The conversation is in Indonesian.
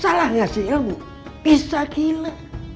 salah ngasih ilmu bisa gila